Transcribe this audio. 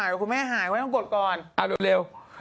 เดี๋ยวคุณแม่หายไว้ต้องกดก่อนเอาเร็ว